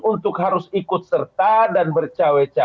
untuk harus ikut serta dan bercowek cowek